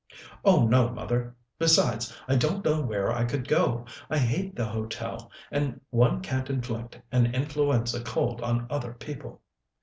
"Oh no, mother. Besides, I don't know where I could go. I hate the hotel, and one can't inflict an influenza cold on other people."